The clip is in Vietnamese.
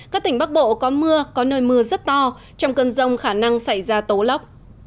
các tỉnh bắc bộ có mưa có nơi mưa rất to trong cơn rông khả năng xảy ra tố lốc